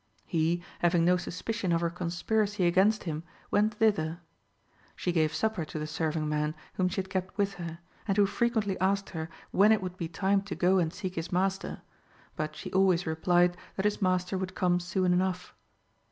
He, having no suspicion of her conspiracy against him, went thither. She gave supper to the serving man whom she had kept with her, and who frequently asked her when it would be time to go and seek his master; but she always replied that his master would come soon enough.